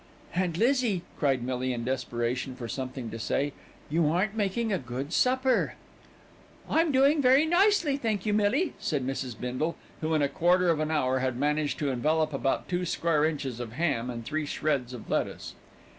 "Aunt Lizzie," cried Millie in desperation for something to say, "you aren't making a good supper." "I'm doing very nicely, thank you, Millie," said Mrs. Bindle, who in a quarter of an hour had managed to envelop about two square inches of ham and three shreds of lettuce.